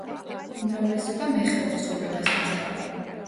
უმრავლესობა მეხეურ ცხოვრებას ეწევა.